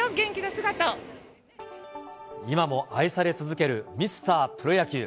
今も愛され続けるミスタープロ野球。